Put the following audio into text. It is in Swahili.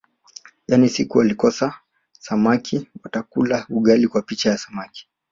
Yaani siku wakikosa samamki watakula ugali kwa picha ya samaki